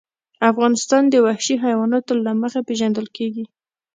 افغانستان د وحشي حیواناتو له مخې پېژندل کېږي.